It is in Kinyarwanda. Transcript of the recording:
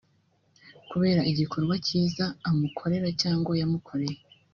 kubera igikorwa cyiza amukorera cyangwa yamukoreye